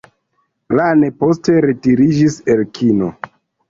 Lane poste retiriĝis el kino.